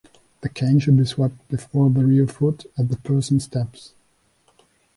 The cane should be swept before the rear foot as the person steps.